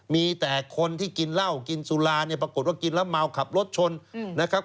มีแต่คนที่กินเหล้ากินสุราเนี่ยปรากฏว่ากินแล้วเมาขับรถชนนะครับ